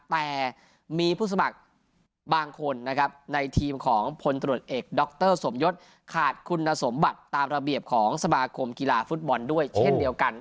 แต่มีผู้สมัครบางคนนะครับในทีมของพลตรวจเอกดรสมยศขาดคุณสมบัติตามระเบียบของสมาคมกีฬาฟุตบอลด้วยเช่นเดียวกัน